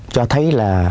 cho thấy là